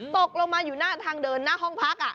ตกลงมาอยู่หน้าทางเดินหน้าห้องพัก